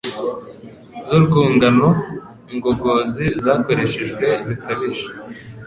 z’urwungano ngogozi zakoreshejwe bikabije